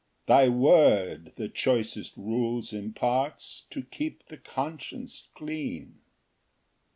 Thy word the choicest rules imparts To keep the conscience clean.